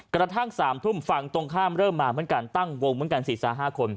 กระทั่ง๓ทุ่มฝั่งตรงข้ามเริ่มมาเหมือนกันตั้งวงเหมือนกัน๔๕คน